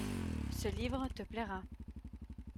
Ce livre te plaira.